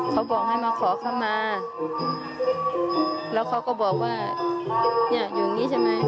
เขาบอกให้มาขอเข้ามาแล้วเขาก็บอกว่าเนี่ยอยู่อย่างงี้ใช่ไหม